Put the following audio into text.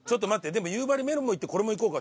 でも夕張メロンもいってこれもいこうか。